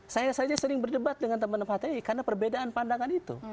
saya saja sering berdebat dengan teman teman hti karena perbedaan pandangan itu